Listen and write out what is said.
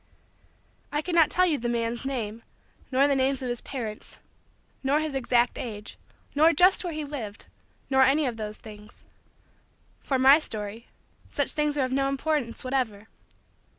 I cannot tell you the man's name, nor the names of his parents, nor his exact age, nor just where he lived, nor any of those things. For my story, such things are of no importance whatever.